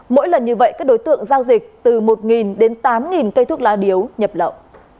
mỗi lần như vậy các đối tượng giao dịch từ một đến tám cây thuốc lá điếu nhập lậu